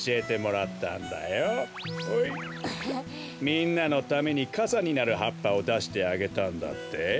みんなのためにかさになるはっぱをだしてあげたんだって？